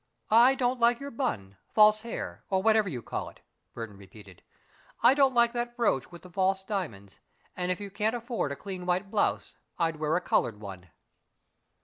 "I don't like your bun false hair, or whatever you call it," Burton repeated. "I don't like that brooch with the false diamonds, and if you can't afford a clean white blouse, I'd wear a colored one."